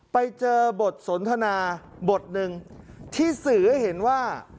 ไปเจอบทสนทนาบทหนึ่งที่สื่อให้เห็นว่า